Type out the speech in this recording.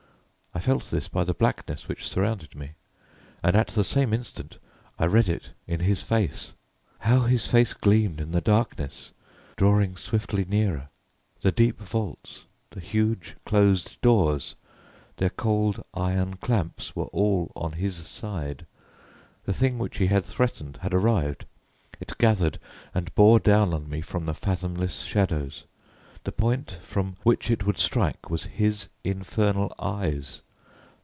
I felt this by the blackness which surrounded me, and at the same instant I read it in his face. How his face gleamed in the darkness, drawing swiftly nearer! The deep vaults, the huge closed doors, their cold iron clamps were all on his side. The thing which he had threatened had arrived: it gathered and bore down on me from the fathomless shadows; the point from which it would strike was his infernal eyes.